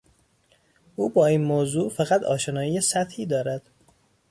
او با این موضوع فقط آشنایی سطحی دارد.